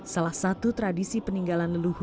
salah satu tradisi peninggalan leluhur